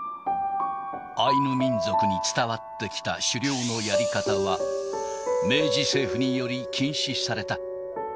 アイヌ民族に伝わってきた狩猟のやり方は、明治政府により禁止された。